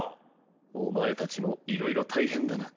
お前たちもいろいろ大変だな。